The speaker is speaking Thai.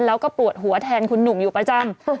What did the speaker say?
แล้วก็ปวดหัวแทนคุณหนุ่มอยู่ประจำ